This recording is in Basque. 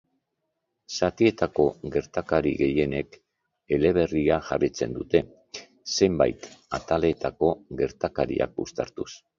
Zatietako gertakari gehienek eleberria jarraitzen dute, zenbait ataletako gertakariak uztartuz.